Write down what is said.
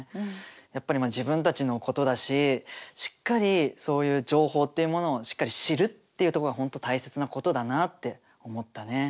やっぱりまあ自分たちのことだししっかりそういう情報っていうものをしっかり知るっていうとこが本当大切なことだなって思ったね。